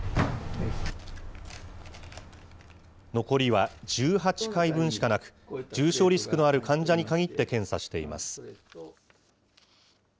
残りは１８回分しかなく、重症リスクのある患者に限って検査しています。